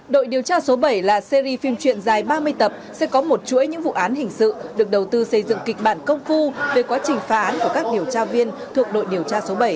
đội điều tra số bảy là series phim truyện dài ba mươi tập sẽ có một chuỗi những vụ án hình sự được đầu tư xây dựng kịch bản công phu về quá trình phá án của các điều tra viên thuộc đội điều tra số bảy